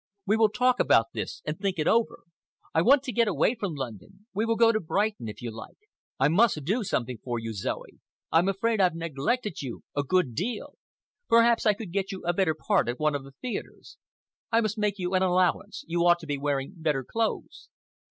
We will talk about this and think it over. I want to get away from London. We will go to Brighton, if you like. I must do something for you, Zoe. I'm afraid I've neglected you a good deal. Perhaps I could get you a better part at one of the theatres. I must make you an allowance. You ought to be wearing better clothes."